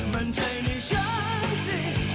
มันใจในฉันสิเชื่อในฉันสิ